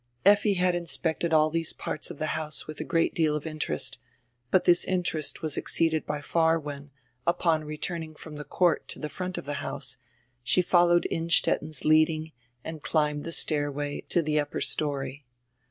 Effi had inspected all these parts of tire house with a great deal of interest, but this interest was exceeded by far when, upon returning fronr tire court to tire front of tire house, she followed Innstetten's leading and climbed die stairway to die upper story.